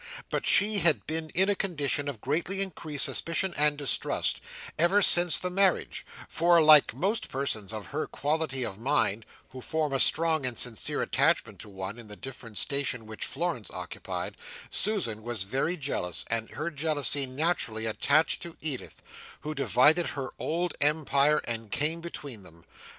But she had been in a condition of greatly increased suspicion and distrust, ever since the marriage; for, like most persons of her quality of mind, who form a strong and sincere attachment to one in the different station which Florence occupied, Susan was very jealous, and her jealousy naturally attached to Edith, who divided her old empire, and came between them.